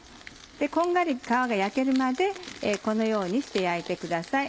こんがり皮が焼けるまでこのようにして焼いてください。